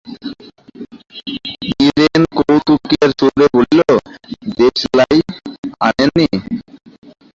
নীরেন কৌতুকের সুরে বলিল, দেশলাই আনেন নি।